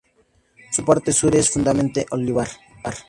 Su parte sur es fundamentalmente olivar.